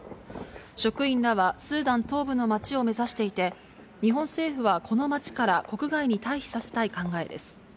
職員らはスーダン東部の町を目指していて、日本政府はこの町から国外に退避させたい考えです。